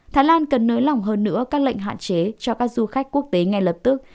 thái lan cần nới lỏng hơn nữa các lệnh hạn chế cho các du khách quốc tế ngay lập tức